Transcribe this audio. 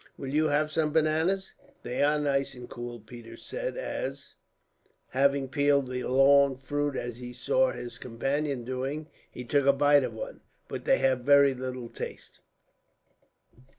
"Will you have some bananas?" "They are nice and cool," Peters said as, having peeled the long fruit as he saw his companion doing, he took a bite of one; "but they have very little taste."